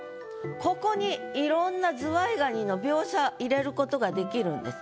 ここにいろんなずわい蟹の描写入れることができるんです。